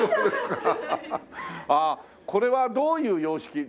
ああこれはどういう様式？